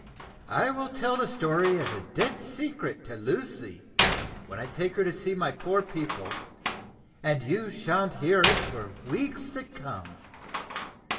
I will tell the story as a dead secret to Lucy, when I take her to see my poor people, and you sha'n't hear it for weeks to come."